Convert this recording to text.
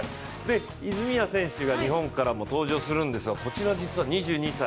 泉谷選手が日本からも登場するんですが、こちらは２２歳。